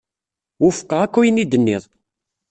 Wufqeɣ akk ayen i d-tenniḍ.